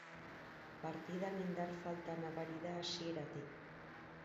Partidan indar falta nabari da hasieratik.